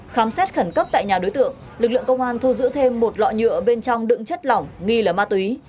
khám xét khẩn cấp tại nhà đối tượng lực lượng công an thu giữ thêm một lọ nhựa bên trong đựng chất lỏng nghi là ma túy